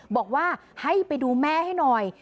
บอกว่าให้ไปดูแม่ให้หน่อย